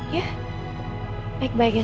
ya baik baik ya